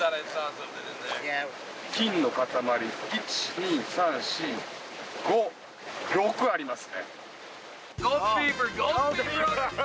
金の塊が１、２３、４、５、６あります。